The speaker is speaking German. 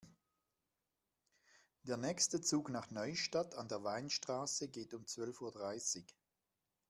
Der nächste Zug nach Neustadt an der Weinstraße geht um zwölf Uhr dreißig